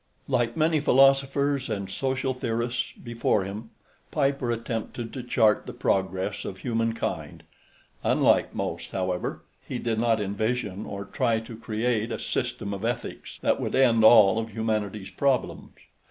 Like many philosophers and social theorists before him, Piper attempted to chart the progress of human kind; unlike most, however, he did not envision or try to create a system of ethics that would end all of humanity's problems.